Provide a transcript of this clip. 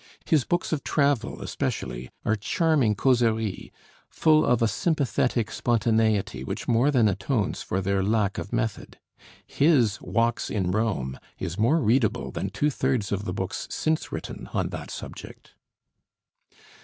His books of travel, especially, are charming causeries, full of a sympathetic spontaneity which more than atones for their lack of method; his 'Walks in Rome' is more readable than two thirds of the books since written on that subject.